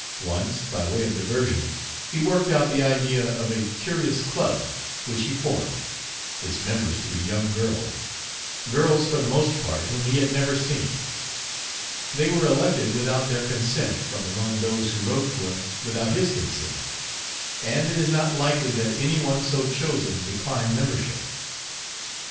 Once, by way of diversion, he worked out the idea of a curious club which he formed its members to be young girls girls for the most part whom he had never seen. They were elected without their consent from among those who wrote to him without his consent, and it is not likely that any one so chosen declined membership.